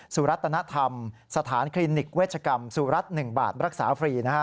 สุรัตนธรรมสถานคลินิกเวชกรรมสุรัตน์๑บาทรักษาฟรี